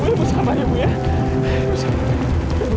ibu cuman petir aja bu